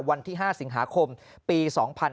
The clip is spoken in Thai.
วันที่๕สิงหาคมปี๒๕๕๙